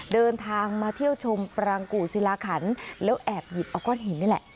เดินทางมาเที่ยวชมปรางกู่ศิลาขันแล้วแอบหยิบเอาก้อนหินนี่แหละ